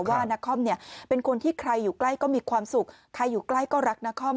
ว่านาคอมเนี่ยเป็นคนที่ใครอยู่ใกล้ก็มีความสุขใครอยู่ใกล้ก็รักนาคอม